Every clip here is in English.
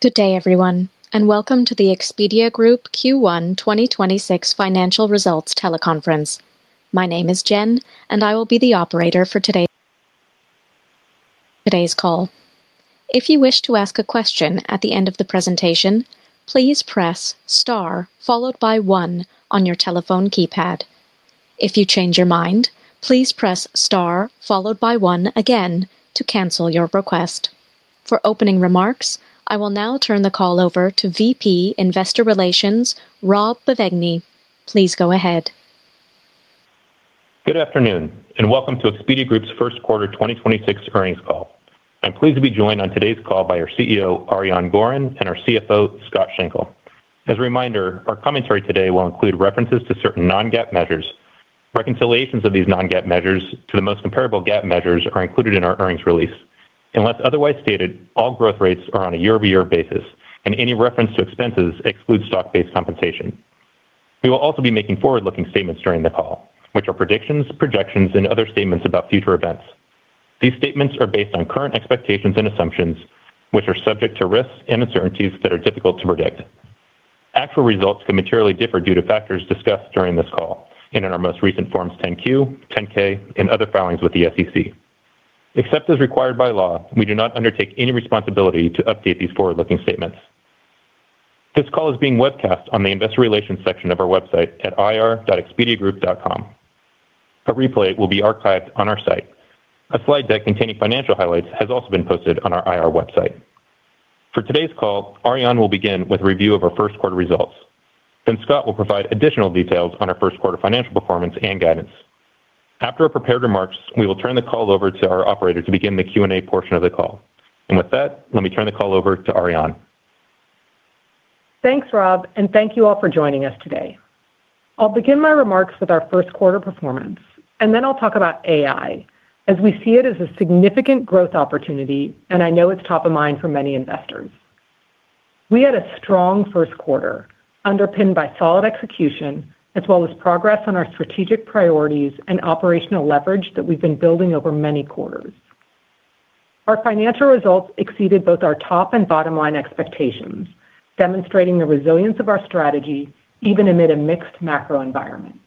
Good day, everyone, and welcome to the Expedia Group Q1 2026 financial results teleconference. My name is Jen, and I will be the operator for today's call. If you wish to ask a question at the end of the presentation, please press star followed by one on your telephone keypad. If you change your mind, please press star followed by one again to cancel your request. For opening remarks, I will now turn the call over to VP Investor Relations, Rob Bevegni. Please go ahead. Good afternoon, welcome to Expedia Group's first quarter 2026 earnings call. I'm pleased to be joined on today's call by our CEO, Ariane Gorin, and our CFO, Scott Schenkel. As a reminder, our commentary today will include references to certain non-GAAP measures. Reconciliations of these non-GAAP measures to the most comparable GAAP measures are included in our earnings release. Unless otherwise stated, all growth rates are on a year-over-year basis, and any reference to expenses excludes stock-based compensation. We will also be making forward-looking statements during the call, which are predictions, projections, and other statements about future events. These statements are based on current expectations and assumptions, which are subject to risks and uncertainties that are difficult to predict. Actual results can materially differ due to factors discussed during this call and in our most recent Forms 10-Q, 10-K, and other filings with the SEC. Except as required by law, we do not undertake any responsibility to update these forward-looking statements. This call is being webcast on the investor relations section of our website at ir.expediagroup.com. A replay will be archived on our site. A slide deck containing financial highlights has also been posted on our IR website. For today's call, Ariane Gorin will begin with a review of our first quarter results. Scott will provide additional details on our first quarter financial performance and guidance. After our prepared remarks, we will turn the call over to our operator to begin the Q&A portion of the call. With that, let me turn the call over to Ariane Gorin. Thanks, Rob, and thank you all for joining us today. I'll begin my remarks with our first quarter performance, and then I'll talk about AI, as we see it as a significant growth opportunity, and I know it's top of mind for many investors. We had a strong first quarter underpinned by solid execution as well as progress on our strategic priorities and operational leverage that we've been building over many quarters. Our financial results exceeded both our top and bottom-line expectations, demonstrating the resilience of our strategy even amid a mixed macro environment.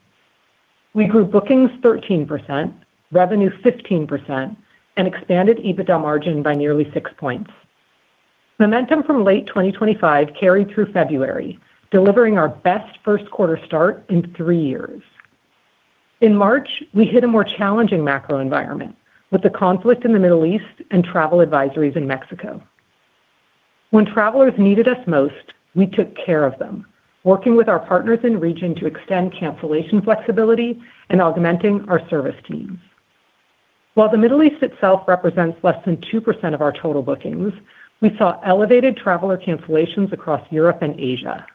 We grew bookings 13%, revenue 15%, and expanded EBITDA margin by nearly six points. Momentum from late 2025 carried through February, delivering our best first quarter start in three years. In March, we hit a more challenging macro environment with the conflict in the Middle East and travel advisories in Mexico. When travelers needed us most, we took care of them, working with our partners in region to extend cancellation flexibility and augmenting our service teams. While the Middle East itself represents less than 2% of our total bookings, we saw elevated traveler cancellations across Europe and Asia.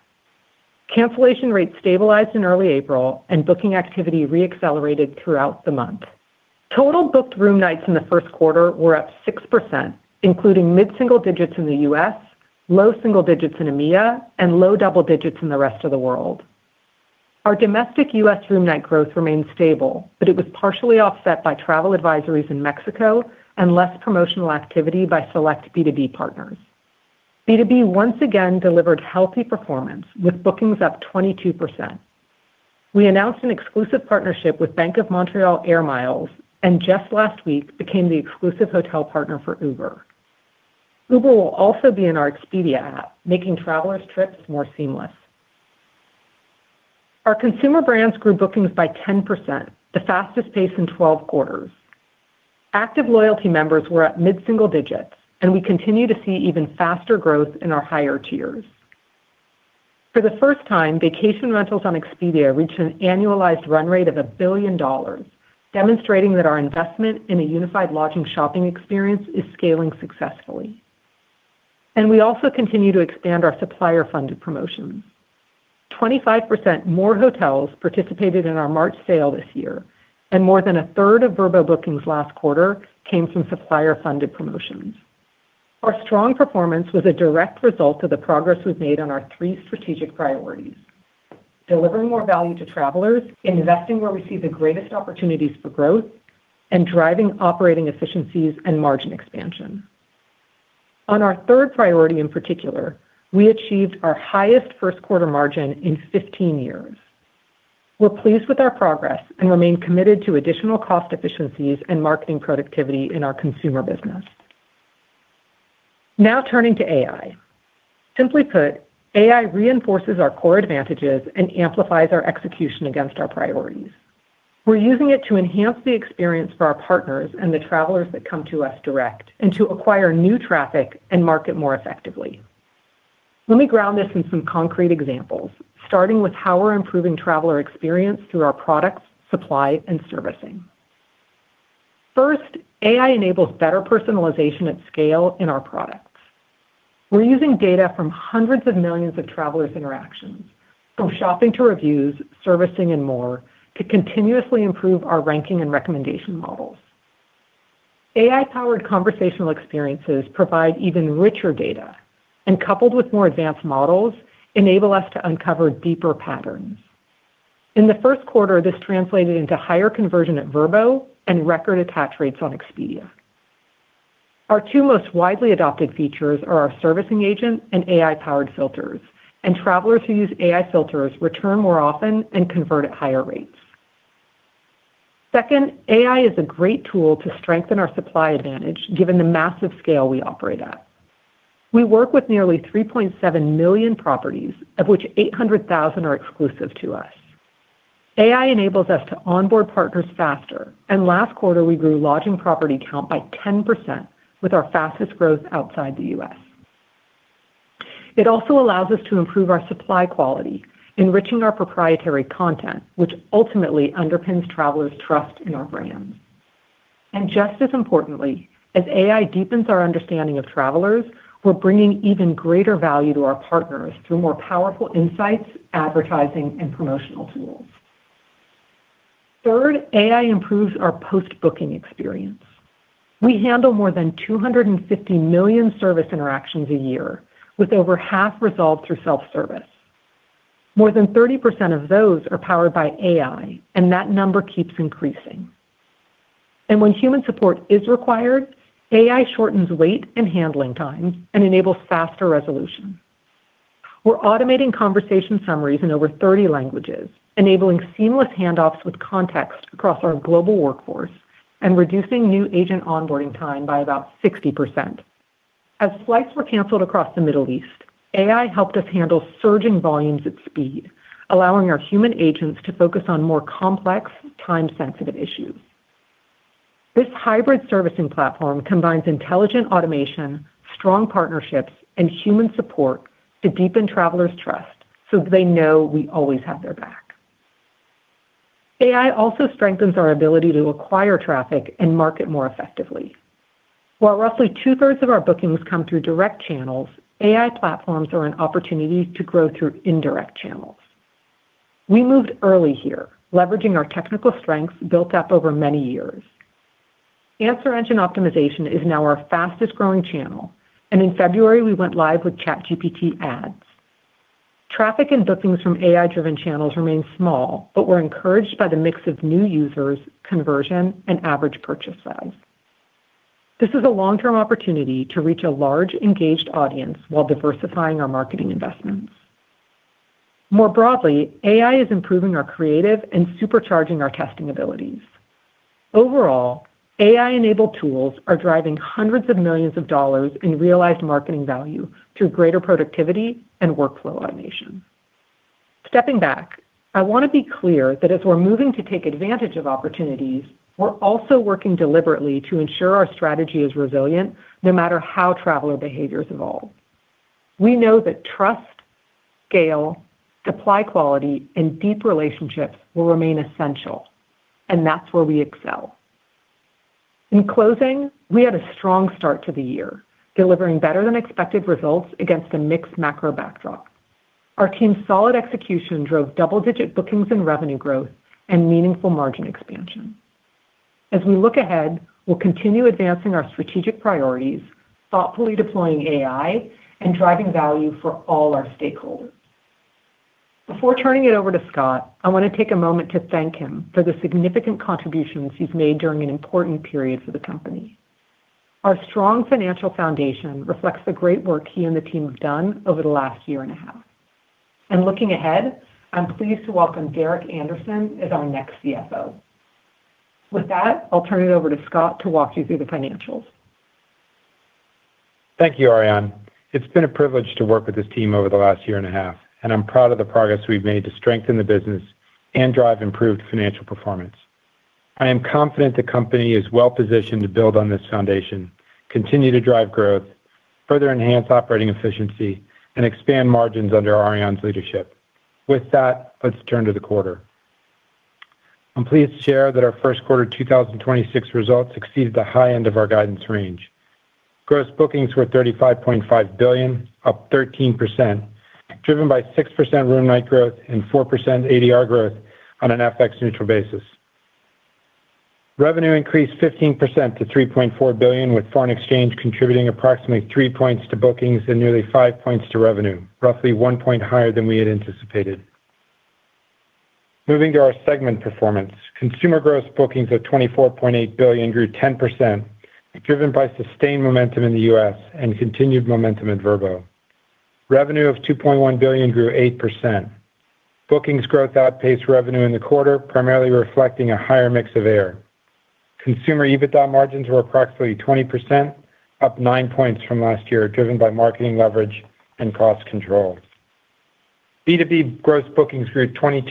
Cancellation rates stabilized in early April, and booking activity re-accelerated throughout the month. Total booked room nights in the first quarter were up 6%, including mid-single digits in the U.S., low single digits in EMEA, and low double digits in the rest of the world. Our domestic U.S. room night growth remained stable, but it was partially offset by travel advisories in Mexico and less promotional activity by select B2B partners. B2B once again delivered healthy performance with bookings up 22%. We announced an exclusive partnership with Bank of Montreal AIR MILES, and just last week became the exclusive hotel partner for Uber. Uber will also be in our Expedia app, making travelers' trips more seamless. Our consumer brands grew bookings by 10%, the fastest pace in 12 quarters. Active loyalty members were at mid-single digits, and we continue to see even faster growth in our higher tiers. For the first time, vacation rentals on Expedia reached an annualized run rate of $1 billion, demonstrating that our investment in a unified lodging shopping experience is scaling successfully. We also continue to expand our supplier-funded promotions. 25% more hotels participated in our March sale this year, and more than a third of Vrbo bookings last quarter came from supplier-funded promotions. Our strong performance was a direct result of the progress we've made on our three strategic priorities: delivering more value to travelers, investing where we see the greatest opportunities for growth, and driving operating efficiencies and margin expansion. On our third priority in particular, we achieved our highest first quarter margin in 15 years. We're pleased with our progress and remain committed to additional cost efficiencies and marketing productivity in our consumer business. Turning to AI. Simply put, AI reinforces our core advantages and amplifies our execution against our priorities. We're using it to enhance the experience for our partners and the travelers that come to us direct and to acquire new traffic and market more effectively. Let me ground this in some concrete examples, starting with how we're improving traveler experience through our products, supply, and servicing. First, AI enables better personalization at scale in our products. We're using data from hundreds of millions of travelers interactions, from shopping to reviews, servicing, and more, to continuously improve our ranking and recommendation models. AI-powered conversational experiences provide even richer data, and coupled with more advanced models, enable us to uncover deeper patterns. In the first quarter, this translated into higher conversion at Vrbo and record attach rates on Expedia. Our two most widely adopted features are our servicing agent and AI-powered filters. Travelers who use AI filters return more often and convert at higher rates. Second, AI is a great tool to strengthen our supply advantage given the massive scale we operate at. We work with nearly 3.7 million properties, of which 800,000 are exclusive to us. AI enables us to onboard partners faster, and last quarter, we grew lodging property count by 10% with our fastest growth outside the U.S. It also allows us to improve our supply quality, enriching our proprietary content, which ultimately underpins travelers' trust in our brand. Just as importantly, as AI deepens our understanding of travelers, we're bringing even greater value to our partners through more powerful insights, advertising, and promotional tools. Third, AI improves our post-booking experience. We handle more than 250 million service interactions a year, with over half resolved through self-service. More than 30% of those are powered by AI, that number keeps increasing. When human support is required, AI shortens wait and handling time and enables faster resolution. We're automating conversation summaries in over 30 languages, enabling seamless handoffs with context across our global workforce and reducing new agent onboarding time by about 60%. As flights were canceled across the Middle East, AI helped us handle surging volumes at speed, allowing our human agents to focus on more complex, time-sensitive issues. This hybrid servicing platform combines intelligent automation, strong partnerships, and human support to deepen travelers' trust so that they know we always have their back. AI also strengthens our ability to acquire traffic and market more effectively. While roughly 2/3 of our bookings come through direct channels, AI platforms are an opportunity to grow through indirect channels. We moved early here, leveraging our technical strengths built up over many years. Answer engine optimization is now our fastest-growing channel, and in February, we went live with ChatGPT ads. Traffic and bookings from AI-driven channels remain small, but we're encouraged by the mix of new users, conversion, and average purchase size. This is a long-term opportunity to reach a large, engaged audience while diversifying our marketing investments. More broadly, AI is improving our creative and supercharging our testing abilities. Overall, AI-enabled tools are driving hundreds of millions of dollars in realized marketing value through greater productivity and workflow automation. Stepping back, I want to be clear that as we're moving to take advantage of opportunities, we're also working deliberately to ensure our strategy is resilient, no matter how traveler behaviors evolve. We know that trust, scale, supply quality, and deep relationships will remain essential, and that's where we excel. In closing, we had a strong start to the year, delivering better than expected results against a mixed macro backdrop. Our team's solid execution drove double-digit bookings and revenue growth and meaningful margin expansion. As we look ahead, we'll continue advancing our strategic priorities, thoughtfully deploying AI, and driving value for all our stakeholders. Before turning it over to Scott, I want to take a moment to thank him for the significant contributions he's made during an important period for the company. Our strong financial foundation reflects the great work he and the team have done over the last year and a half. Looking ahead, I'm pleased to welcome Derek Andersen as our next CFO. With that, I'll turn it over to Scott to walk you through the financials. Thank you, Ariane. It's been a privilege to work with this team over the last year and a half, and I'm proud of the progress we've made to strengthen the business and drive improved financial performance. I am confident the company is well-positioned to build on this foundation, continue to drive growth, further enhance operating efficiency, and expand margins under Ariane's leadership. With that, let's turn to the quarter. I'm pleased to share that our first quarter 2026 results exceeded the high end of our guidance range. Gross bookings were $35.5 billion, up 13%, driven by 6% room night growth and 4% ADR growth on an FX neutral basis. Revenue increased 15% to $3.4 billion, with foreign exchange contributing approximately three points to bookings and nearly five points to revenue, roughly one point higher than we had anticipated. Moving to our segment performance, consumer gross bookings of $24.8 billion grew 10%, driven by sustained momentum in the U.S. and continued momentum at Vrbo. Revenue of $2.1 billion grew 8%. Bookings growth outpaced revenue in the quarter, primarily reflecting a higher mix of air. Consumer EBITDA margins were approximately 20%, up nine points from last year, driven by marketing leverage and cost controls. B2B gross bookings grew 22%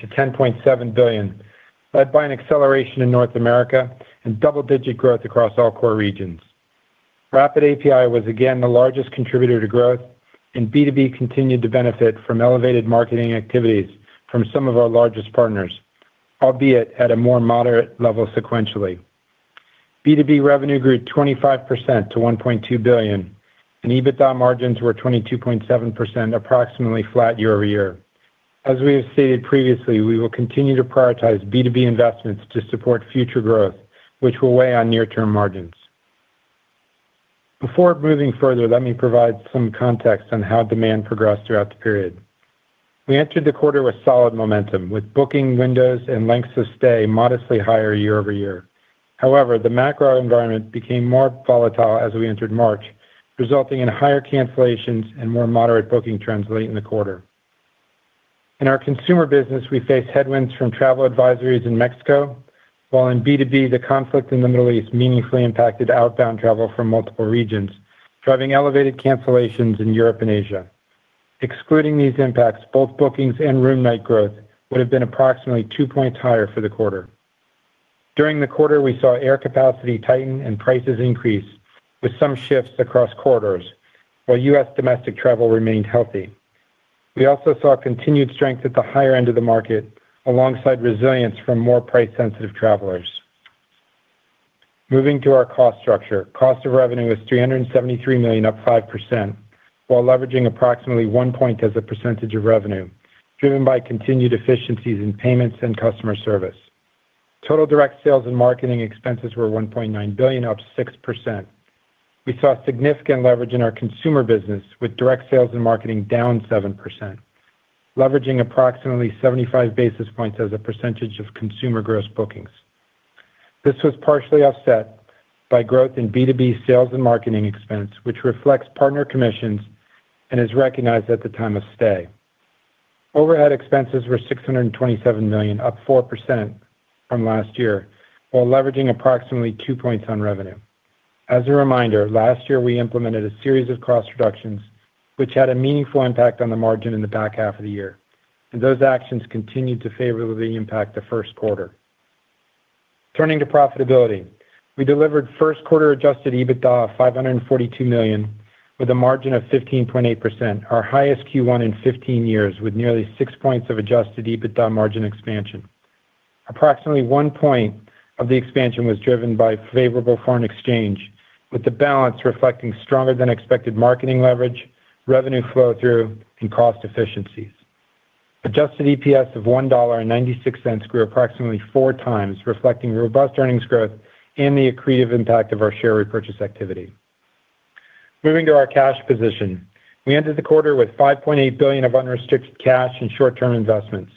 to $10.7 billion, led by an acceleration in North America and double-digit growth across all core regions. Rapid API was again the largest contributor to growth, and B2B continued to benefit from elevated marketing activities from some of our largest partners, albeit at a more moderate level sequentially. B2B revenue grew 25% to $1.2 billion, and EBITDA margins were 22.7%, approximately flat year-over-year. As we have stated previously, we will continue to prioritize B2B investments to support future growth, which will weigh on near-term margins. Before moving further, let me provide some context on how demand progressed throughout the period. We entered the quarter with solid momentum, with booking windows and lengths of stay modestly higher year-over-year. However, the macro environment became more volatile as we entered March, resulting in higher cancellations and more moderate booking trends late in the quarter. In our consumer business, we faced headwinds from travel advisories in Mexico, while in B2B, the conflict in the Middle East meaningfully impacted outbound travel from multiple regions, driving elevated cancellations in Europe and Asia. Excluding these impacts, both bookings and room night growth would have been approximately two points higher for the quarter. During the quarter, we saw air capacity tighten and prices increase with some shifts across corridors, while U.S. domestic travel remained healthy. We also saw continued strength at the higher end of the market, alongside resilience from more price-sensitive travelers. Moving to our cost structure, cost of revenue was $373 million, up 5%, while leveraging approximately one point as a percentage of revenue, driven by continued efficiencies in payments and customer service. Total direct sales and marketing expenses were $1.9 billion, up 6%. We saw significant leverage in our consumer business, with direct sales and marketing down 7%, leveraging approximately 75 basis points as a percentage of consumer gross bookings. This was partially offset by growth in B2B sales and marketing expense, which reflects partner commissions and is recognized at the time of stay. Overhead expenses were $627 million, up 4% from last year, while leveraging approximately two points on revenue. As a reminder, last year we implemented a series of cost reductions which had a meaningful impact on the margin in the back half of the year. Those actions continued to favorably impact the first quarter. Turning to profitability, we delivered first quarter adjusted EBITDA of $542 million with a margin of 15.8%, our highest Q1 in 15 years, with nearly six points of adjusted EBITDA margin expansion. Approximately one point of the expansion was driven by favorable foreign exchange, with the balance reflecting stronger than expected marketing leverage, revenue flow-through, and cost efficiencies. Adjusted EPS of $1.96 grew approximately 4x, reflecting robust earnings growth and the accretive impact of our share repurchase activity. Moving to our cash position, we entered the quarter with $5.8 billion of unrestricted cash and short-term investments.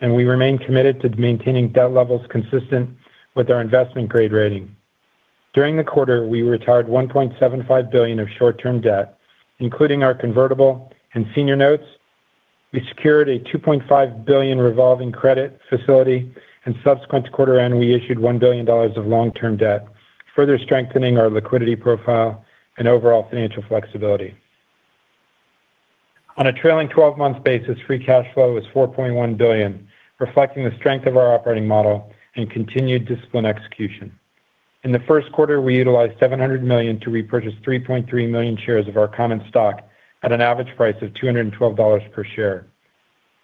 We remain committed to maintaining debt levels consistent with our investment grade rating. During the quarter, we retired $1.75 billion of short-term debt, including our convertible and senior notes. We secured a $2.5 billion revolving credit facility. Subsequent to quarter end, we issued $1 billion of long-term debt, further strengthening our liquidity profile and overall financial flexibility. On a trailing 12-month basis, free cash flow was $4.1 billion, reflecting the strength of our operating model and continued disciplined execution. In the first quarter, we utilized $700 million to repurchase 3.3 million shares of our common stock at an average price of $212 per share.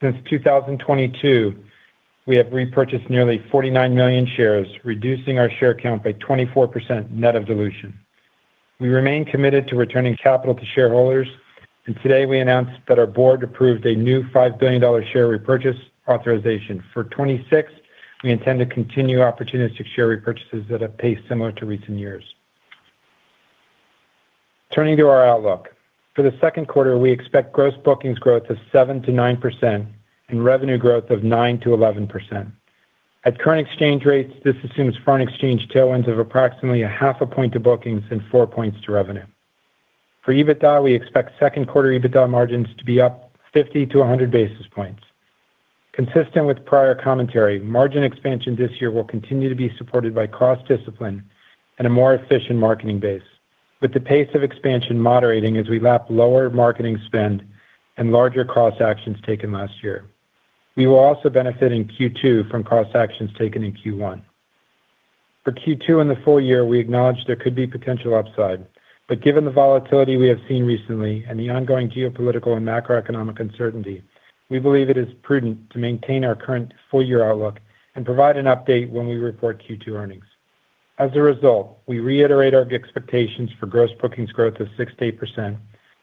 Since 2022, we have repurchased nearly 49 million shares, reducing our share count by 24% net of dilution. We remain committed to returning capital to shareholders. Today we announced that our board approved a new $5 billion share repurchase authorization. For 2026, we intend to continue opportunistic share repurchases at a pace similar to recent years. Turning to our outlook, for the second quarter, we expect gross bookings growth of 7%-9% and revenue growth of 9%-11%. At current exchange rates, this assumes foreign exchange tailwinds of approximately a half a point to bookings and four points to revenue. For EBITDA, we expect second quarter EBITDA margins to be up 50-100 basis points. Consistent with prior commentary, margin expansion this year will continue to be supported by cost discipline and a more efficient marketing base, with the pace of expansion moderating as we lap lower marketing spend and larger cost actions taken last year. We will also benefit in Q2 from cost actions taken in Q1. For Q2 and the full-year, we acknowledge there could be potential upside, but given the volatility we have seen recently and the ongoing geopolitical and macroeconomic uncertainty, we believe it is prudent to maintain our current full-year outlook and provide an update when we report Q2 earnings. As a result, we reiterate our expectations for gross bookings growth of 6% to 8%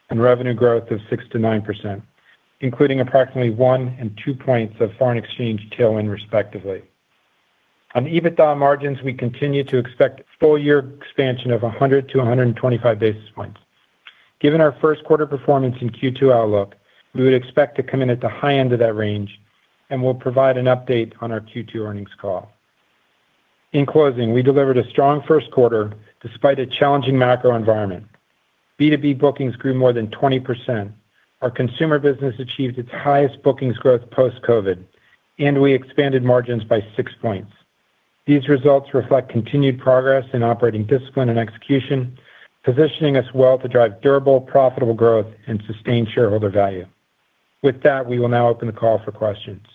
and revenue growth of 6% to 9%, including approximately one and two points of foreign exchange tailwind, respectively. On EBITDA margins, we continue to expect full-year expansion of 100-125 basis points. Given our first quarter performance in Q2 outlook, we would expect to come in at the high end of that range and will provide an update on our Q2 earnings call. In closing, we delivered a strong first quarter despite a challenging macro environment. B2B bookings grew more than 20%. Our consumer business achieved its highest bookings growth post-COVID, and we expanded margins by six points. These results reflect continued progress in operating discipline and execution, positioning us well to drive durable, profitable growth and sustain shareholder value. With that, we will now open the call for questions.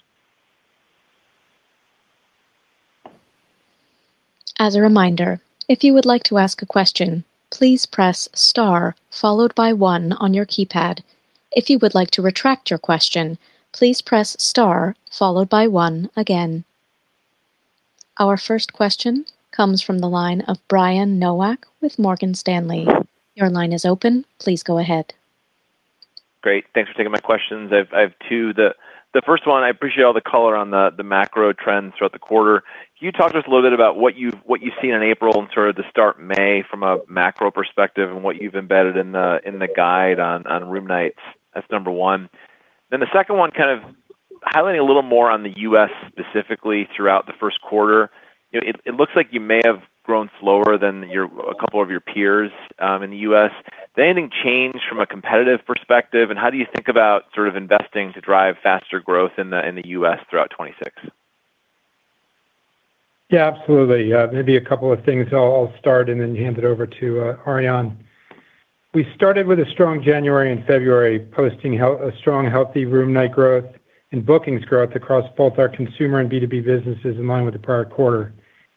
As a reminder, if you would like to ask a question, please press star followed by one on your keypad. If you would like to retract your question, please press star followed by one again. Our first question comes from the line of Brian Nowak with Morgan Stanley. Your line is open. Please go ahead. Great. Thanks for taking my questions. I have two. The first one, I appreciate all the color on the macro trends throughout the quarter. Can you talk to us a little bit about what you've seen in April and sort of the start May from a macro perspective, and what you've embedded in the guide on room nights? That's number one. The second one, kind of highlighting a little more on the U.S. specifically throughout the first quarter. You know, it looks like you may have grown slower than a couple of your peers in the U.S. Has anything changed from a competitive perspective, and how do you think about sort of investing to drive faster growth in the U.S. throughout 2026? Yeah, absolutely. Maybe a couple of things. I'll start and then hand it over to Ariane. We started with a strong January and February, posting a strong, healthy room night growth and bookings growth across both our consumer and B2B businesses in line with the prior quarter.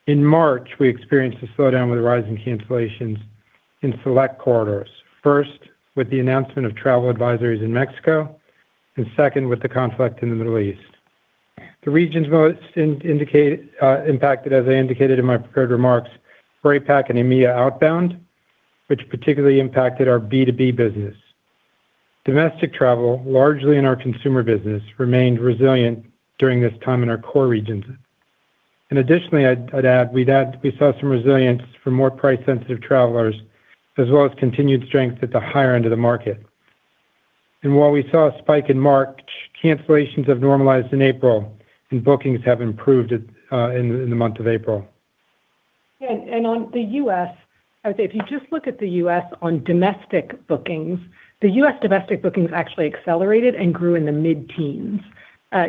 In March, we experienced a slowdown with rising cancellations in select corridors. First, with the announcement of travel advisories in Mexico, and second with the conflict in the Middle East. The regions most impacted, as I indicated in my prepared remarks, were APAC and EMEA outbound, which particularly impacted our B2B business. Domestic travel, largely in our consumer business, remained resilient during this time in our core regions. Additionally, I'd add, we saw some resilience for more price-sensitive travelers, as well as continued strength at the higher end of the market. While we saw a spike in March, cancellations have normalized in April, and bookings have improved at, in the month of April. Yeah. On the U.S., I would say if you just look at the U.S. on domestic bookings, the U.S. domestic bookings actually accelerated and grew in the mid-teens.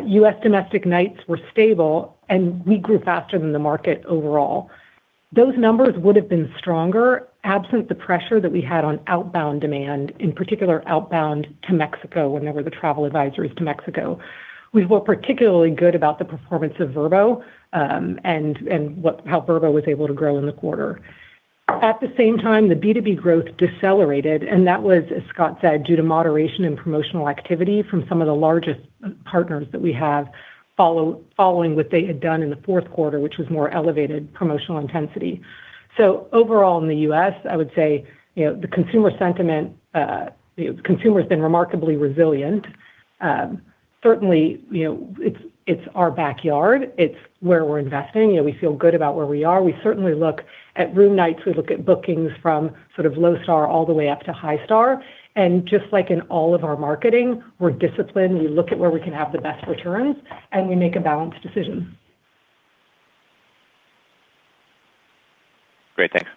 U.S. domestic nights were stable, we grew faster than the market overall. Those numbers would have been stronger absent the pressure that we had on outbound demand, in particular outbound to Mexico, whenever the travel advisories to Mexico. We felt particularly good about the performance of Vrbo, how Vrbo was able to grow in the quarter. At the same time, the B2B growth decelerated, that was, as Scott said, due to moderation in promotional activity from some of the largest partners that we have following what they had done in the fourth quarter, which was more elevated promotional intensity. Overall in the U.S., I would say, the consumer sentiment, consumer has been remarkably resilient. Certainly, it's our backyard. It's where we're investing. We feel good about where we are. We certainly look at room nights. We look at bookings from sort of low star all the way up to high star. Just like in all of our marketing, we're disciplined. We look at where we can have the best returns, and we make a balanced decision. Great. Thanks.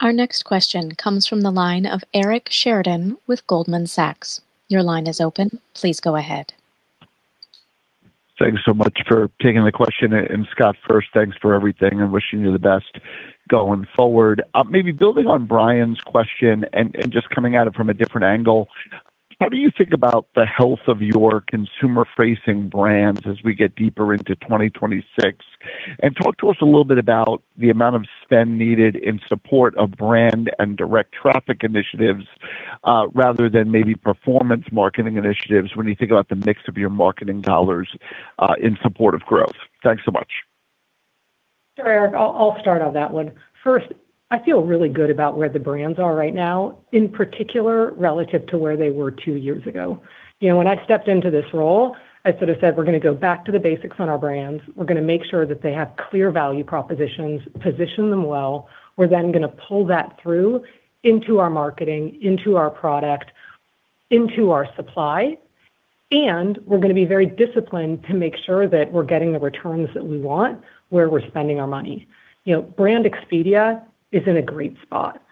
Our next question comes from the line of Eric Sheridan with Goldman Sachs. Your line is open. Please go ahead. Thanks so much for taking the question. Scott, first, thanks for everything and wishing you the best going forward. Maybe building on Brian's question and just coming at it from a different angle, how do you think about the health of your consumer-facing brands as we get deeper into 2026? Talk to us a little bit about the amount of spend needed in support of brand and direct traffic initiatives, rather than maybe performance marketing initiatives when you think about the mix of your marketing dollars in support of growth. Thanks so much. Sure, Eric. I'll start on that one. I feel really good about where the brands are right now, in particular relative to where they were two years ago. You know, when I stepped into this role, I sort of said, we're gonna go back to the basics on our brands. We're gonna make sure that they have clear value propositions, position them well. We're gonna pull that through into our marketing, into our product, into our supply, we're gonna be very disciplined to make sure that we're getting the returns that we want, where we're spending our money. You know, brand Expedia is in a great spot.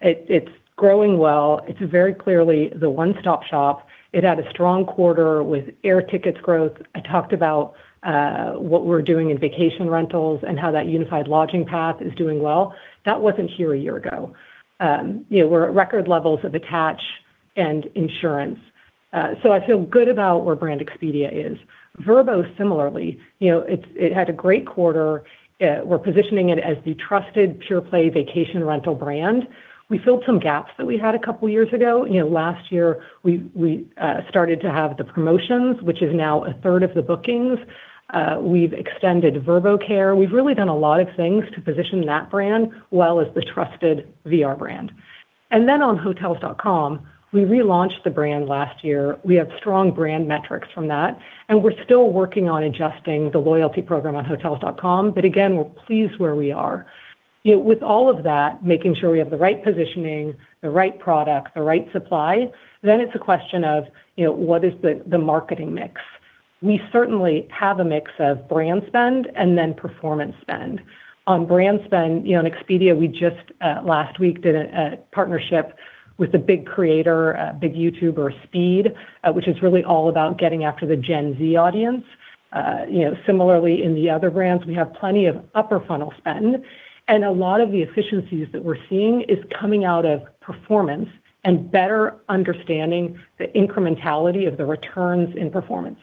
It's growing well. It's very clearly the one-stop shop. It had a strong quarter with air tickets growth. I talked about what we're doing in vacation rentals and how that unified lodging path is doing well. That wasn't here a year ago. You know, we're at record levels of attach and insurance. I feel good about where brand Expedia is. Vrbo, similarly, you know, it had a great quarter. We're positioning it as the trusted pure play vacation rental brand. We filled some gaps that we had two years ago. You know, last year we started to have the promotions, which is now 1/3 of the bookings. We've extended VrboCare. We've really done a lot of things to position that brand well as the trusted VR brand. On Hotels.com, we relaunched the brand last year. We have strong brand metrics from that, and we're still working on adjusting the loyalty program on Hotels.com. Again, we're pleased where we are. You know, with all of that, making sure we have the right positioning, the right product, the right supply, then it's a question of, you know, what is the marketing mix? We certainly have a mix of brand spend and then performance spend. On brand spend, you know, in Expedia, we just last week did a partnership with a big creator, a big YouTuber, Speed, which is really all about getting after the Gen Z audience. You know, similarly in the other brands, we have plenty of upper funnel spend, and a lot of the efficiencies that we're seeing is coming out of performance and better understanding the incrementality of the returns in performance.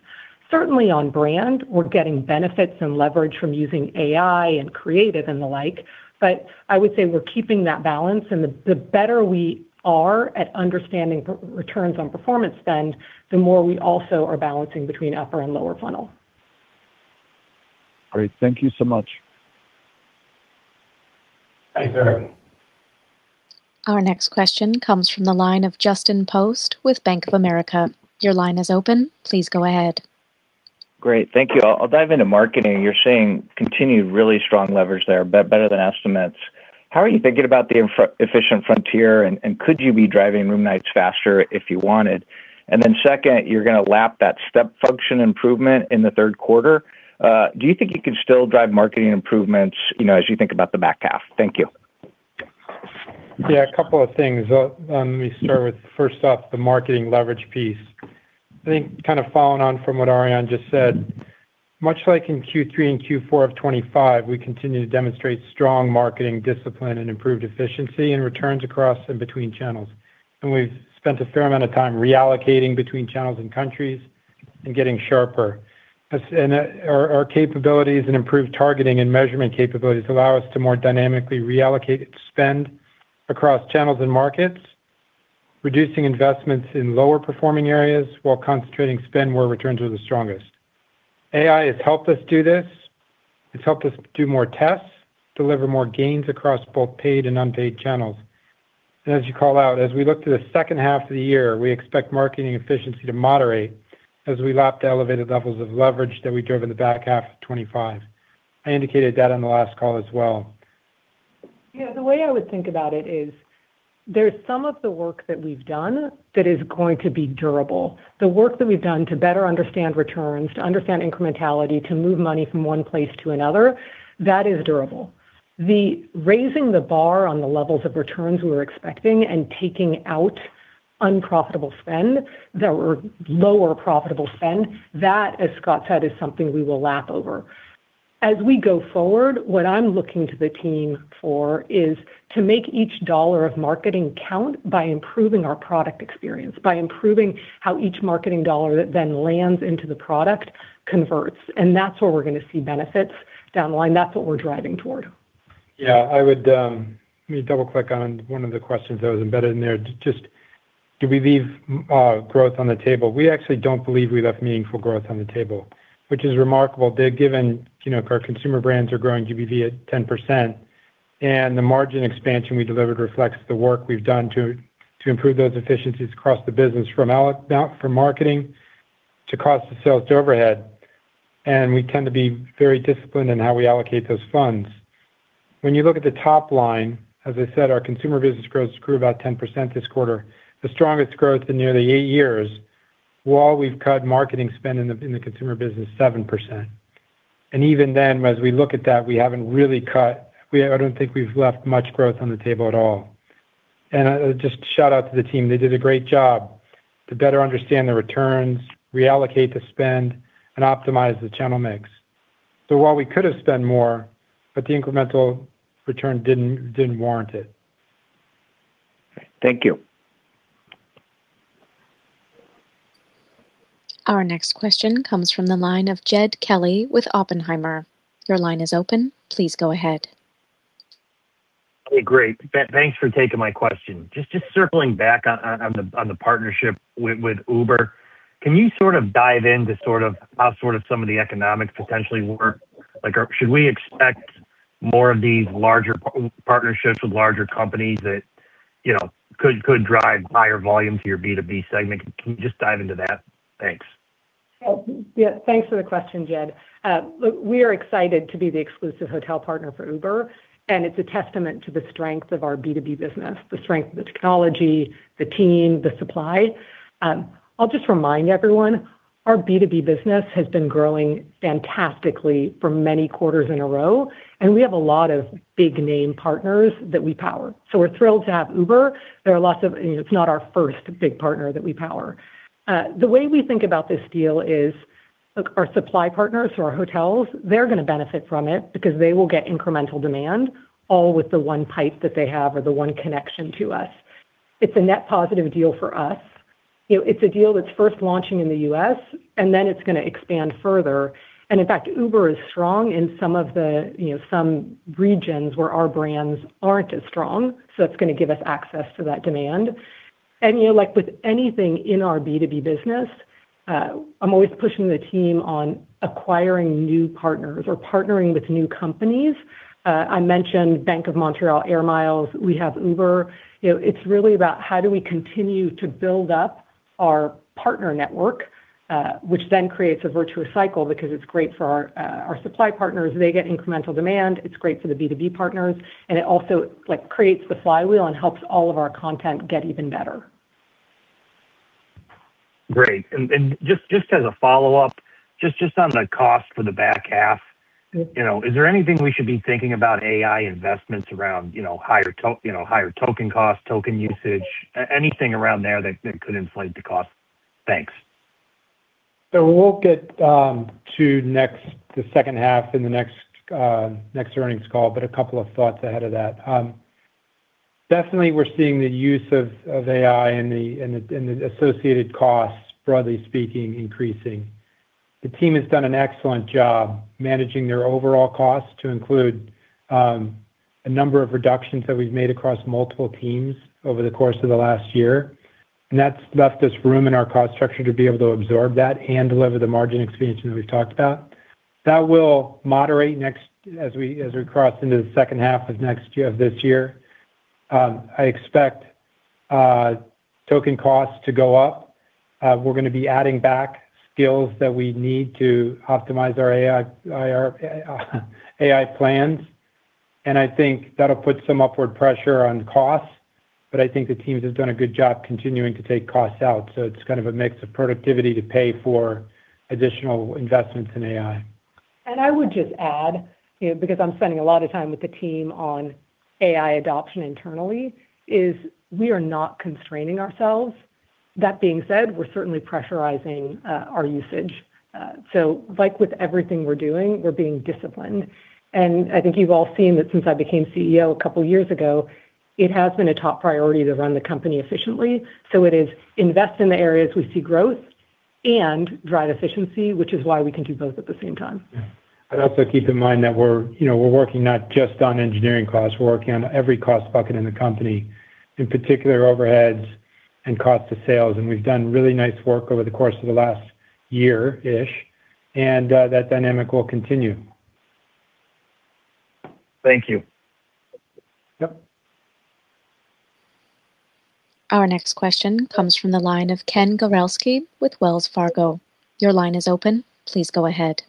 Certainly on brand, we're getting benefits and leverage from using AI and creative and the like, but I would say we're keeping that balance. The better we are at understanding returns on performance spend, the more we also are balancing between upper and lower funnel. Great. Thank you so much. Thank you. Our next question comes from the line of Justin Post with Bank of America. Your line is open. Please go ahead. Great. Thank you. I'll dive into marketing. You're seeing continued really strong leverage there, better than estimates. How are you thinking about the efficient frontier, and could you be driving room nights faster if you wanted? Second, you're gonna lap that step function improvement in the third quarter. Do you think you can still drive marketing improvements, you know, as you think about the back half? Thank you. Yeah, a couple of things. I'll let me start with first off the marketing leverage piece. I think kind of following on from what Ariane just said, much like in Q3 and Q4 of 2025, we continue to demonstrate strong marketing discipline and improved efficiency and returns across and between channels. We've spent a fair amount of time reallocating between channels and countries and getting sharper. Our capabilities and improved targeting and measurement capabilities allow us to more dynamically reallocate spend across channels and markets, reducing investments in lower performing areas while concentrating spend where returns are the strongest. AI has helped us do this. It's helped us do more tests, deliver more gains across both paid and unpaid channels. As you call out, as we look to the second half of the year, we expect marketing efficiency to moderate as we lap the elevated levels of leverage that we drove in the back half of 2025. I indicated that on the last call as well. Yeah, the way I would think about it is there's some of the work that we've done that is going to be durable. The work that we've done to better understand returns, to understand incrementality, to move money from one place to another, that is durable. The raising the bar on the levels of returns we're expecting and taking out unprofitable spend that were lower profitable spend, that, as Scott said, is something we will lap over. As we go forward, what I'm looking to the team for is to make each dollar of marketing count by improving our product experience, by improving how each marketing dollar that then lands into the product converts. That's where we're gonna see benefits down the line. That's what we're driving toward. I would let me double-click on one of the questions that was embedded in there. Just did we leave growth on the table? We actually don't believe we left meaningful growth on the table, which is remarkable given, you know, if our consumer brands are growing GBV at 10%, and the margin expansion we delivered reflects the work we've done to improve those efficiencies across the business from marketing to cost of sales to overhead, and we tend to be very disciplined in how we allocate those funds. When you look at the top line, as I said, our consumer business growth grew about 10% this quarter, the strongest growth in nearly eight years, while we've cut marketing spend in the consumer business 7%. Even then, as we look at that, I don't think we've left much growth on the table at all. Just shout out to the team, they did a great job to better understand the returns, reallocate the spend, and optimize the channel mix. While we could have spent more, but the incremental return didn't warrant it. Thank you. Our next question comes from the line of Jed Kelly with Oppenheimer. Your line is open. Please go ahead. Great. Thanks for taking my question. Just circling back on the partnership with Uber, can you sort of dive into sort of how sort of some of the economics potentially work? Like, should we expect more of these larger partnerships with larger companies that, you know, could drive higher volume to your B2B segment? Can you just dive into that? Thanks. Yeah, thanks for the question, Jed. Look, we are excited to be the exclusive hotel partner for Uber, it's a testament to the strength of our B2B business, the strength of the technology, the team, the supply. I'll just remind everyone, our B2B business has been growing fantastically for many quarters in a row, we have a lot of big name partners that we power. We're thrilled to have Uber. It's not our first big partner that we power. The way we think about this deal is our supply partners or our hotels, they're gonna benefit from it because they will get incremental demand, all with the one pipe that they have or the one connection to us. It's a net positive deal for us. You know, it's a deal that's first launching in the U.S., and then it's gonna expand further. In fact, Uber is strong in some of the, you know, some regions where our brands aren't as strong, so it's gonna give us access to that demand. You know, like with anything in our B2B business, I'm always pushing the team on acquiring new partners or partnering with new companies. I mentioned Bank of Montreal, AIR MILES, we have Uber. You know, it's really about how do we continue to build up our partner network, which then creates a virtuous cycle because it's great for our supply partners. They get incremental demand. It's great for the B2B partners, and it also, like, creates the flywheel and helps all of our content get even better. Great. Just as a follow-up, just on the cost for the back half? Yep. You know, is there anything we should be thinking about AI investments around, you know, higher, you know, higher token cost, token usage, anything around there that could inflate the cost? Thanks. We'll get to the second half in the next earnings call, but a couple of thoughts ahead of that. Definitely we're seeing the use of AI and the associated costs, broadly speaking, increasing. The team has done an excellent job managing their overall costs to include a number of reductions that we've made across multiple teams over the course of the last year. That's left us room in our cost structure to be able to absorb that and deliver the margin expansion that we've talked about. That will moderate as we cross into the second half of this year. I expect token costs to go up. We're gonna be adding back skills that we need to optimize our AI plans. I think that'll put some upward pressure on costs, but I think the teams have done a good job continuing to take costs out. It's kind of a mix of productivity to pay for additional investments in AI. I would just add, you know, because I'm spending a lot of time with the team on AI adoption internally, is we are not constraining ourselves. That being said, we're certainly pressurizing our usage. Like with everything we're doing, we're being disciplined. I think you've all seen that since I became CEO a couple years ago, it has been a top priority to run the company efficiently. It is invest in the areas we see growth and drive efficiency, which is why we can do both at the same time. Yeah. Also keep in mind that we're, you know, we're working not just on engineering costs, we're working on every cost bucket in the company, in particular overheads and cost of sales. We've done really nice work over the course of the last year-ish, and that dynamic will continue. Thank you. Yep. Our next question comes from the line of Ken Gawrelski with Wells Fargo. Your line is open. Please go ahead.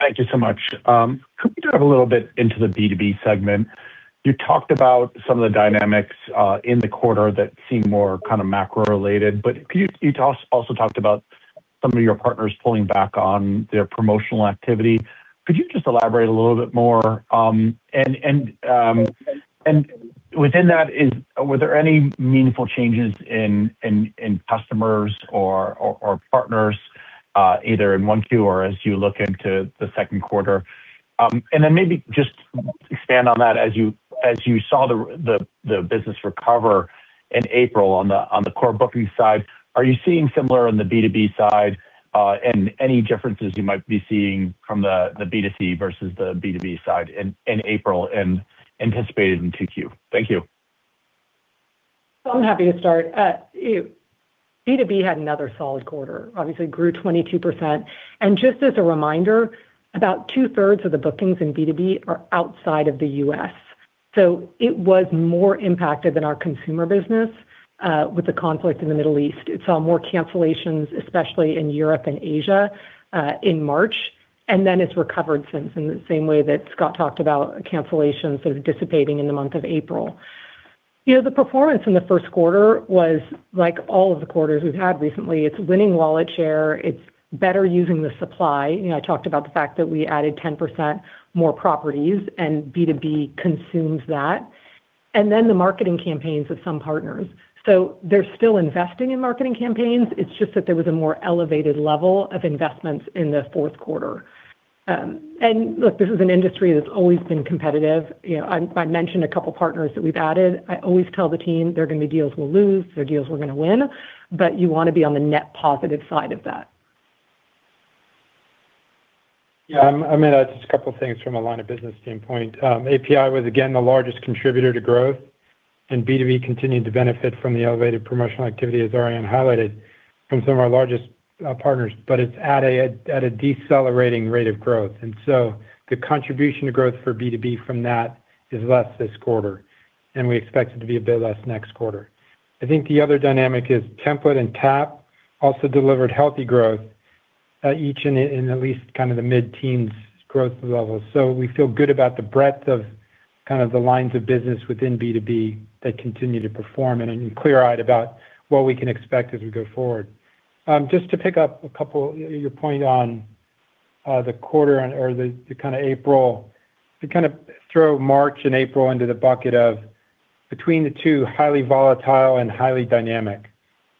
Thank you so much. Could we dive a little bit into the B2B segment? You talked about some of the dynamics in the quarter that seem more kind of macro related. You also talked about some of your partners pulling back on their promotional activity. Could you just elaborate a little bit more? Within that, were there any meaningful changes in customers or partners either in 1Q or as you look into the second quarter? Then maybe just expand on that as you, as you saw the business recover in April on the core booking side, are you seeing similar on the B2B side, and any differences you might be seeing from the B2C versus the B2B side in April and anticipated in 2Q? Thank you. I'm happy to start. B2B had another solid quarter, obviously grew 22%. Just as a reminder, about 2/3 of the bookings in B2B are outside of the U.S. It was more impacted than our consumer business with the conflict in the Middle East. It saw more cancellations, especially in Europe and Asia in March, it's recovered since in the same way that Scott talked about cancellations as dissipating in the month of April. You know, the performance in the first quarter was like all of the quarters we've had recently. It's winning wallet share. It's better using the supply. You know, I talked about the fact that we added 10% more properties, B2B consumes that, the marketing campaigns with some partners. They're still investing in marketing campaigns. It's just that there was a more elevated level of investments in the fourth quarter. Look, this is an industry that's always been competitive. You know, I mentioned a couple partners that we've added. I always tell the team there are gonna be deals we'll lose, there are deals we're gonna win, but you wanna be on the net positive side of that. Yeah. I mean, just a couple of things from a line of business standpoint. API was again the largest contributor to growth. B2B continued to benefit from the elevated promotional activity, as Ariane highlighted, from some of our largest partners, but it's at a decelerating rate of growth. The contribution to growth for B2B from that is less this quarter. We expect it to be a bit less next quarter. I think the other dynamic is template and TAAP also delivered healthy growth, each in at least kind of the mid-teen growth levels. We feel good about the breadth of kind of the lines of business within B2B that continue to perform and clear-eyed about what we can expect as we go forward. Just to pick up your point on the quarter or the kind of April, to kind of throw March and April into the bucket of between the two, highly volatile and highly dynamic.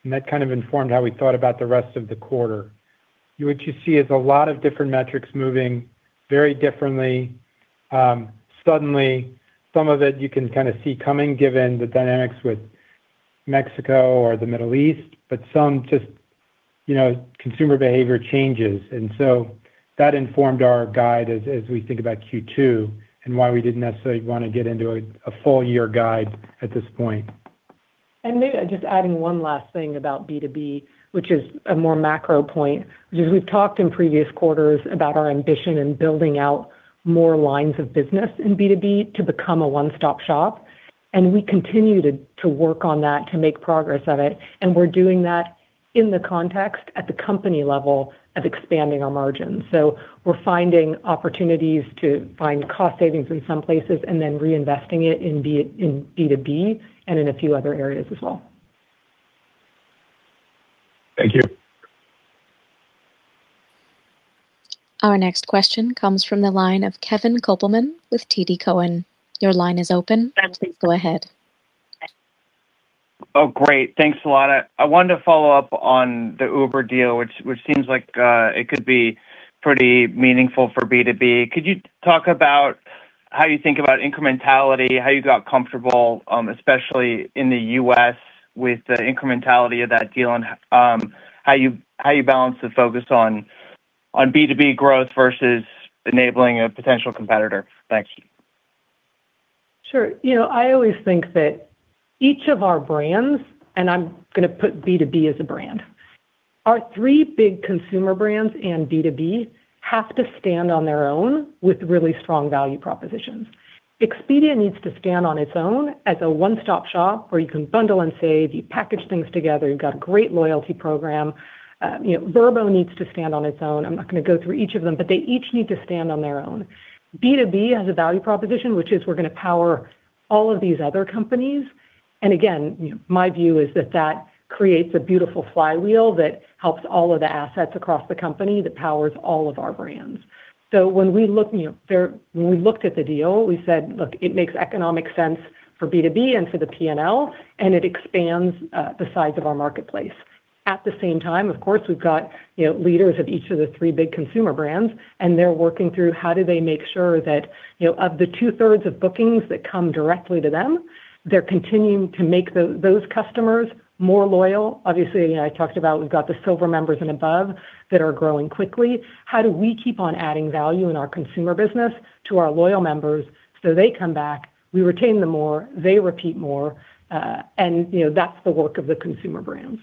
That kind of informed how we thought about the rest of the quarter. What you see is a lot of different metrics moving very differently, suddenly. Some of it you can kind of see coming given the dynamics with Mexico or the Middle East, but some just, you know, consumer behavior changes. That informed our guide as we think about Q2 and why we didn't necessarily wanna get into a full-year guide at this point. Maybe just adding one last thing about B2B, which is a more macro point, which is we've talked in previous quarters about our ambition in building out more lines of business in B2B to become a one-stop shop, and we continue to work on that, to make progress of it, and we're doing that in the context at the company level of expanding our margins. We're finding opportunities to find cost savings in some places and then reinvesting it in B2B and in a few other areas as well. Thank you. Our next question comes from the line of Kevin Kopelman with TD Cowen. Your line is open. Please go ahead. Great. Thanks a lot. I wanted to follow up on the Uber deal, which seems like it could be pretty meaningful for B2B. Could you talk about how you think about incrementality, how you got comfortable, especially in the U.S. with the incrementality of that deal and how you balance the focus on B2B growth versus enabling a potential competitor. Thanks. Sure. You know, I always think that each of our brands, and I'm gonna put B2B as a brand. Our three big consumer brands and B2B have to stand on their own with really strong value propositions. Expedia needs to stand on its own as a one-stop shop where you can bundle and save, you package things together, you've got a great loyalty program. You know, Vrbo needs to stand on its own. I'm not gonna go through each of them, but they each need to stand on their own. B2B has a value proposition, which is we're gonna power all of these other companies. Again, you know, my view is that that creates a beautiful flywheel that helps all of the assets across the company that powers all of our brands. When we looked at the deal, we said, "Look, it makes economic sense for B2B and for the P&L, and it expands the size of our marketplace." At the same time, of course, we've got, you know, leaders of each of the three big consumer brands, and they're working through how do they make sure that, you know, of the two-thirds of bookings that come directly to them, they're continuing to make those customers more loyal. Obviously, I talked about we've got the silver members and above that are growing quickly. How do we keep on adding value in our consumer business to our loyal members so they come back, we retain them more, they repeat more, and you know, that's the work of the consumer brands.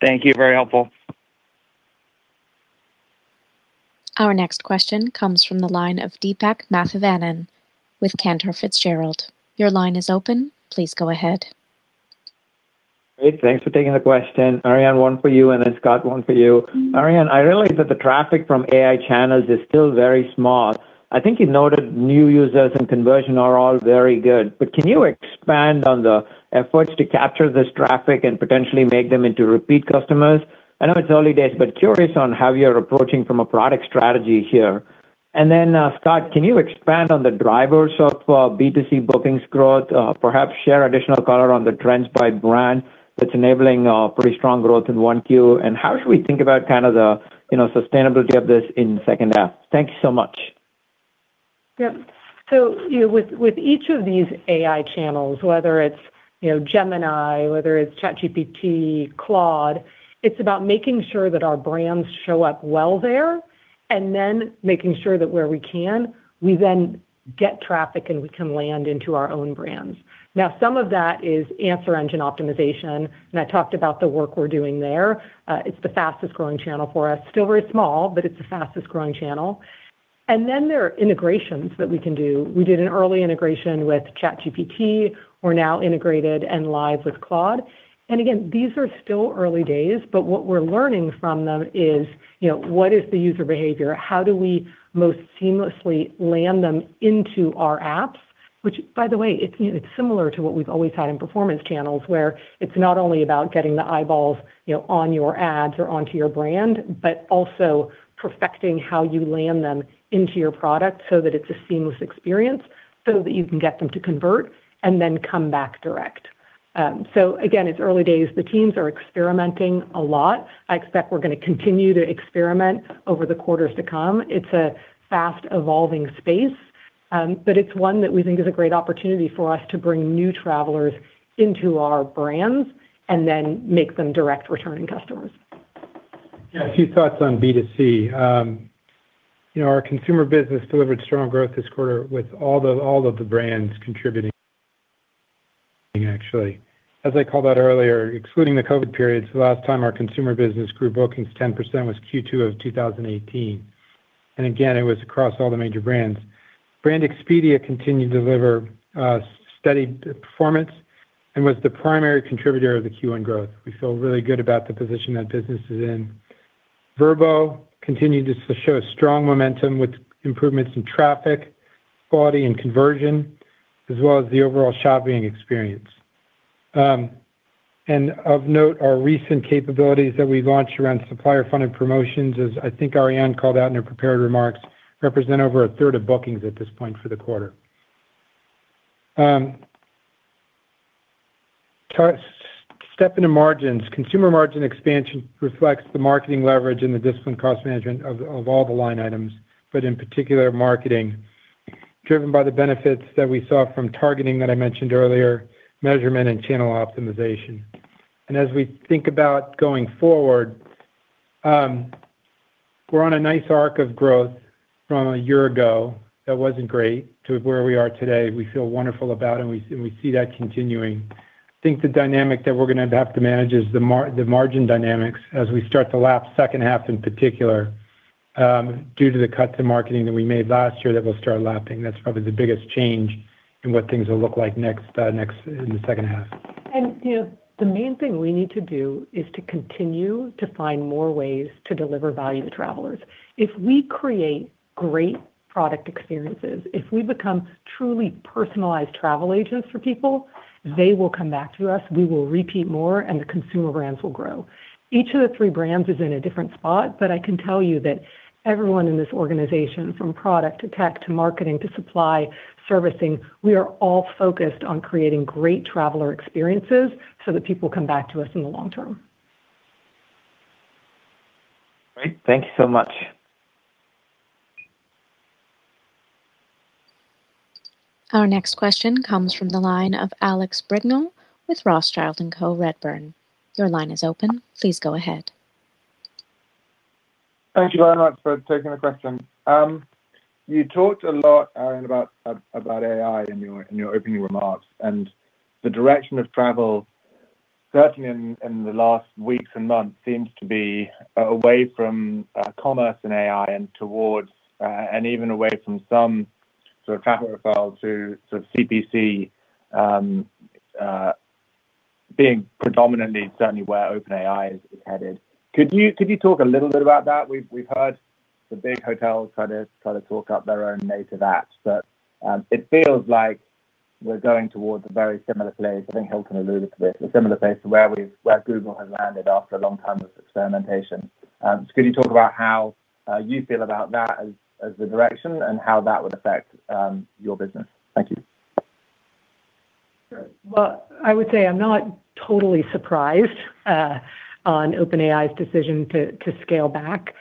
Thank you. Very helpful. Our next question comes from the line of Deepak Mathivanan with Cantor Fitzgerald. Your line is open. Please go ahead. Hey, thanks for taking the question. Ariane, one for you, and then Scott, one for you. Ariane, I realize that the traffic from AI channels is still very small. I think you noted new users and conversion are all very good. Can you expand on the efforts to capture this traffic and potentially make them into repeat customers? I know it's early days, but curious on how you're approaching from a product strategy here. Then Scott, can you expand on the drivers of B2C bookings growth, perhaps share additional color on the trends by brand that's enabling pretty strong growth in 1Q? How should we think about kind of the, you know, sustainability of this in second half? Thank you so much. Yep. You know, with each of these AI channels, whether it's, you know, Gemini, whether it's ChatGPT, Claude, it's about making sure that our brands show up well there, making sure that where we can, we then get traffic, we can land into our own brands. Some of that is answer engine optimization, I talked about the work we're doing there. It's the fastest growing channel for us. Still very small, it's the fastest growing channel. There are integrations that we can do. We did an early integration with ChatGPT. We're now integrated and live with Claude. Again, these are still early days, what we're learning from them is, you know, what is the user behavior? How do we most seamlessly land them into our apps? By the way, it's, you know, it's similar to what we've always had in performance channels, where it's not only about getting the eyeballs, you know, on your ads or onto your brand, but also perfecting how you land them into your product so that it's a seamless experience, so that you can get them to convert and then come back direct. Again, it's early days. The teams are experimenting a lot. I expect we're gonna continue to experiment over the quarters to come. It's a fast evolving space, but it's one that we think is a great opportunity for us to bring new travelers into our brands and then make them direct returning customers. Yeah. A few thoughts on B2C. You know, our consumer business delivered strong growth this quarter with all of the brands contributing actually. As I called out earlier, excluding the COVID periods, the last time our consumer business grew bookings 10% was Q2 of 2018. Again, it was across all the major brands. Brand Expedia continued to deliver steady performance and was the primary contributor of the Q1 growth. We feel really good about the position that business is in. Vrbo continued to show strong momentum with improvements in traffic, quality, and conversion, as well as the overall shopping experience. Of note, our recent capabilities that we launched around supplier-funded promotions, as I think Ariane called out in her prepared remarks, represent over 1/3 of bookings at this point for the quarter. Stepping to margins. Consumer margin expansion reflects the marketing leverage and the disciplined cost management of all the line items, but in particular, marketing, driven by the benefits that we saw from targeting that I mentioned earlier, measurement and channel optimization. As we think about going forward, we're on a nice arc of growth from a year ago that wasn't great to where we are today. We feel wonderful about it, and we see that continuing. I think the dynamic that we're gonna have to manage is the margin dynamics as we start to lap second half in particular, due to the cuts in marketing that we made last year that will start lapping. That's probably the biggest change in what things will look like next in the second half. You know, the main thing we need to do is to continue to find more ways to deliver value to travelers. If we create great product experiences, if we become truly personalized travel agents for people, they will come back to us, we will repeat more, and the consumer brands will grow. Each of the three brands is in a different spot, I can tell you that everyone in this organization, from product to tech to marketing to supply, servicing, we are all focused on creating great traveler experiences so that people come back to us in the long term. Great. Thank you so much. Our next question comes from the line of Alex Brignall with Rothschild & Co Redburn. Your line is open. Please go ahead. Thank you very much for taking the question. You talked a lot, Ariane, about AI in your opening remarks and the direction of travel, certainly in the last weeks and months, seems to be away from commerce and AI and towards and even away from some sort of travel profiles to sort of CPC, being predominantly certainly where OpenAI is headed. Could you talk a little bit about that? We've heard the big hotels try to talk up their own native apps, but it feels like we're going towards a very similar place. I think Hilton alluded to this, a similar place to where Google has landed after a long time of experimentation. Could you talk about how you feel about that as the direction and how that would affect your business? Thank you. Sure. Well, I would say I'm not totally surprised on OpenAI's decision to scale back.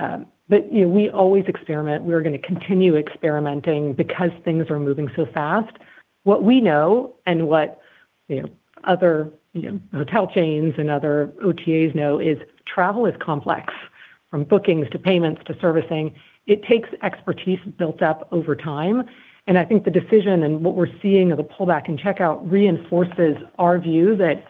You know, we always experiment. We're gonna continue experimenting because things are moving so fast. What we know and what, you know, other, you know, hotel chains and other OTAs know is travel is complex, from bookings to payments to servicing. It takes expertise built up over time. I think the decision and what we're seeing of the pullback in checkout reinforces our view that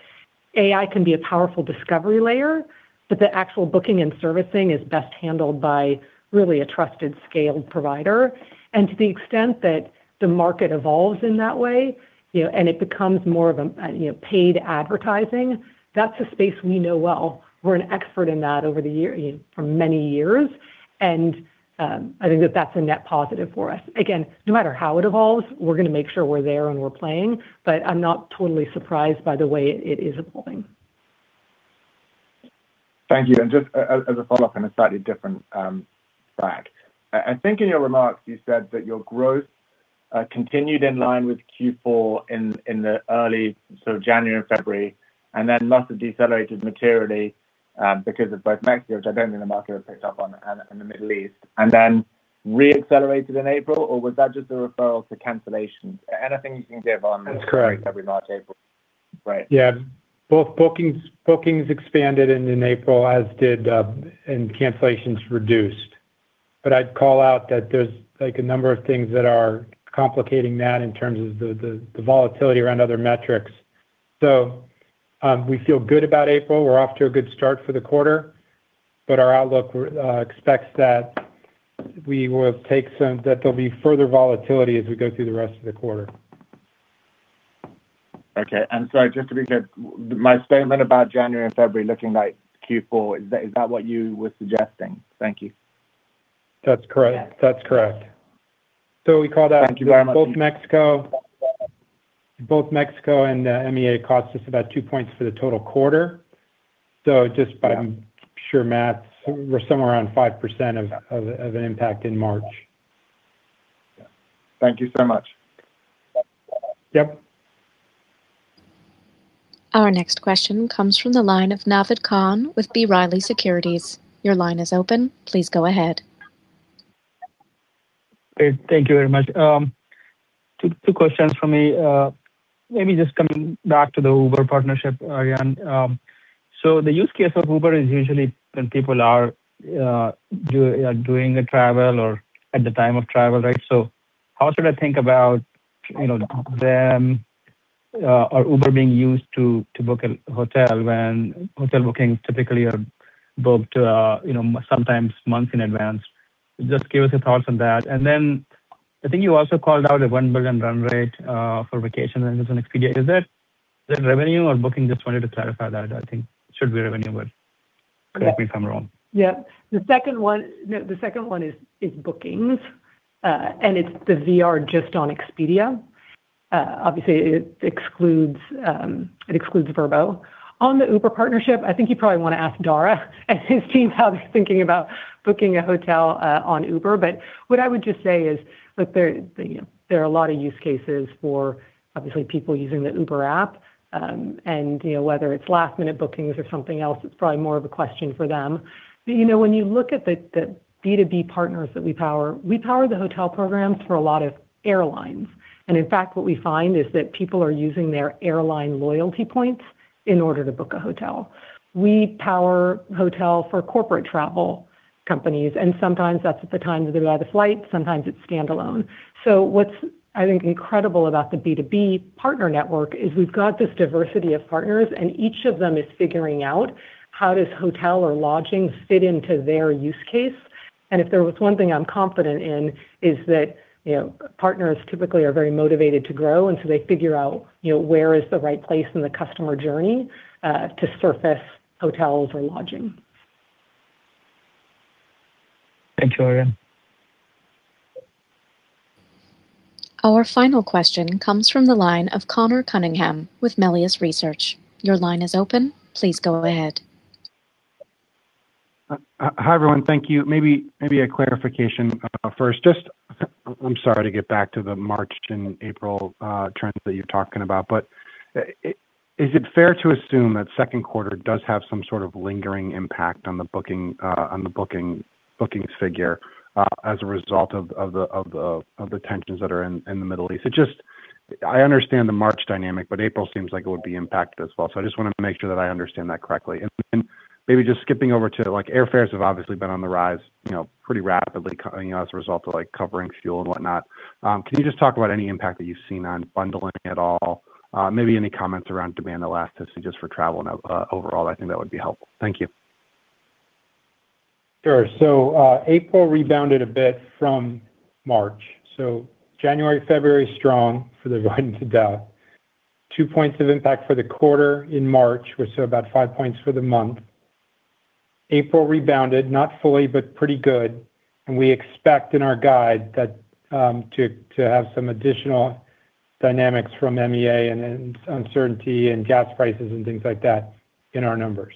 AI can be a powerful discovery layer, but the actual booking and servicing is best handled by really a trusted scaled provider. To the extent that the market evolves in that way, you know, and it becomes more of a, you know, paid advertising, that's a space we know well. We're an expert in that over the years, you know, for many years. I think that that's a net positive for us. Again, no matter how it evolves, we're gonna make sure we're there and we're playing, but I'm not totally surprised by the way it is evolving. Thank you. Just as a follow-up on a slightly different track. I think in your remarks you said that your growth continued in line with Q4 in the early sort of January and February, and then must have decelerated materially because of both Mexico, which I don't think the market had picked up on, and the Middle East, and then re-accelerated in April, or was that just a referral to cancellations? Anything you can give on? That's correct. February, March, April. Right. Yeah. Both bookings expanded in April, as did, and cancellations reduced. I'd call out that there's a number of things that are complicating that in terms of the volatility around other metrics. We feel good about April. We're off to a good start for the quarter. Our outlook expects that there'll be further volatility as we go through the rest of the quarter. Okay. Sorry, just to be clear, my statement about January and February looking like Q4, is that what you were suggesting? Thank you. That's correct. Yes. That's correct. We called out. Thank you very much. Both Mexico and EMEA cost us about two points for the total quarter. Yeah. Sure math, we're somewhere around 5% of an impact in March. Thank you so much. Yep. Our next question comes from the line of Naved Khan with B. Riley Securities. Your line is open. Please go ahead. Great. Thank you very much. Two questions from me. Maybe just coming back to the Uber partnership, Ariane. The use case of Uber is usually when people are doing a travel or at the time of travel, right? How should I think about, you know, them or Uber being used to book a hotel when hotel bookings typically are booked, you know, sometimes months in advance? Just give us your thoughts on that. Then I think you also called out a $1 billion run rate for vacations rentals on Expedia. Is that, is that revenue or booking? Just wanted to clarify that. I think it should be revenue, but correct me if I'm wrong. Yeah. The second one-- No, the second one is bookings, and it's the VR just on Expedia. Obviously, it excludes Vrbo. On the Uber partnership, I think you probably wanna ask Dara and his team how he's thinking about booking a hotel, on Uber. What I would just say is, look, there, you know, there are a lot of use cases for obviously people using the Uber app, and, you know, whether it's last-minute bookings or something else, it's probably more of a question for them. When you look at the B2B partners that we power, we power the hotel programs for a lot of airlines. In fact, what we find is that people are using their airline loyalty points in order to book a hotel. We power hotel for corporate travel companies, and sometimes that's at the time they buy the flight, sometimes it's standalone. What's, I think, incredible about the B2B partner network is we've got this diversity of partners, and each of them is figuring out how does hotel or lodging fit into their use case. If there was one thing I'm confident in is that, you know, partners typically are very motivated to grow, and so they figure out, you know, where is the right place in the customer journey to surface hotels or lodging. Thank you, Ariane. Our final question comes from the line of Conor Cunningham with Melius Research. Your line is open. Please go ahead. Hi, everyone. Thank you. Maybe, maybe a clarification first. I'm sorry to get back to the March and April trends that you're talking about. Is it fair to assume that second quarter does have some sort of lingering impact on the booking figure as a result of the tensions that are in the Middle East? I understand the March dynamic, but April seems like it would be impacted as well. I just wanted to make sure that I understand that correctly. Maybe just skipping over to, like, airfares have obviously been on the rise, you know, pretty rapidly, you know, as a result of, like, covering fuel and whatnot. Can you just talk about any impact that you've seen on bundling at all? Maybe any comments around demand elasticity just for travel and overall, I think that would be helpful. Thank you. Sure. April rebounded a bit from March. January, February, strong for the ride into 2Q. Two points of impact for the quarter in March, or so about five points for the month. April rebounded, not fully, but pretty good, and we expect in our guide that to have some additional dynamics from EMEA and then uncertainty and gas prices and things like that in our numbers.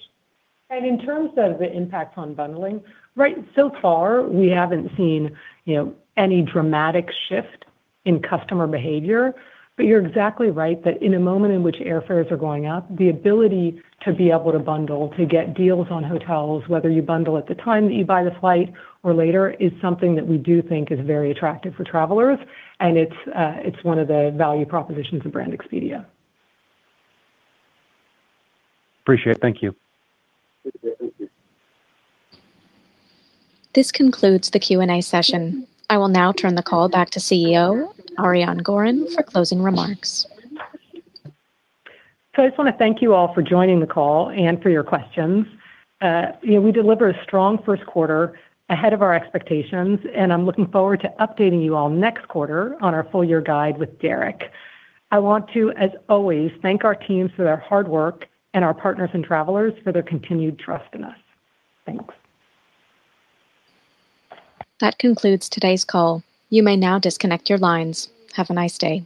In terms of the impact on bundling, right now so far we haven't seen, you know, any dramatic shift in customer behavior. You're exactly right that in a moment in which airfares are going up, the ability to be able to bundle, to get deals on hotels, whether you bundle at the time that you buy the flight or later, is something that we do think is very attractive for travelers, and it's, uh, it's one of the value propositions of Brand Expedia. Appreciate it. Thank you. Thank you. This concludes the Q&A session. I will now turn the call back to CEO, Ariane Gorin, for closing remarks. I just wanna thank you all for joining the call and for your questions. You know, we delivered a strong first quarter ahead of our expectations, and I'm looking forward to updating you all next quarter on our full-year guide with Derek. I want to, as always, thank our teams for their hard work and our partners and travelers for their continued trust in us. Thanks. That concludes today's call. You may now disconnect your lines. Have a nice day.